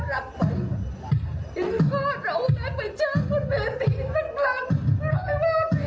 จะเลี่ยวไหนดีจะให้ไปทำพิธี